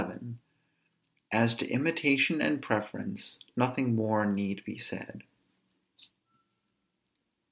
As to imitation and preference, nothing more need be said.